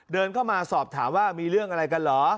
เดินเข้ามาสอบถามว่ามีเรื่องอะไรกันเหรอ